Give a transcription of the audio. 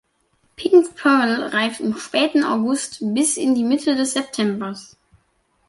Pink Pearl reift im späten August bis in die Mitte des Septembers.